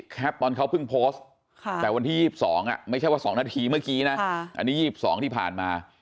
ตอนเขาเพิ่งโพสต์แต่วันที่๒๒ไม่ใช่ว่า๒นาทีเมื่อกี้นะอันนี้๒๒ที่ผ่านมา